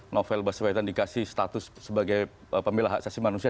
novel baswetan dikasih status sebagai pemilah hak sasi manusia